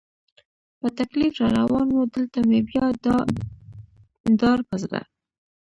په تکلیف را روان و، دلته مې بیا دا ډار په زړه.